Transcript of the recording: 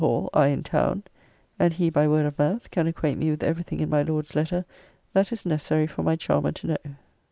Hall, I in town; and he, by word of mouth, can acquaint me with every thing in my Lord's letter that is necessary for my charmer to know.